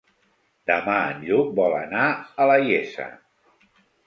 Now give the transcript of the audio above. Demà en Lluc vol anar a la Iessa.